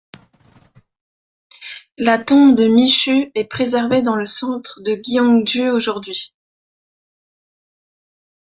La tombe de Michu est préservée dans le centre de Gyeongju aujourd'hui.